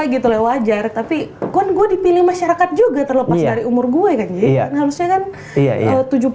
gitu lewajar tapi gua dipilih masyarakat juga terlepas dari umur gue kan iya harusnya kan tujuh puluh